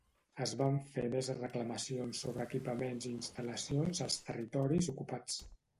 Es van fer més reclamacions sobre equipaments i instal·lacions als territoris ocupats.